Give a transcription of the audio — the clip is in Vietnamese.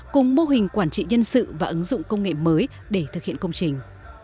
cùng mô hình quản trị nhân sự và ứng dụng công nghệ mới để thực hiện công trình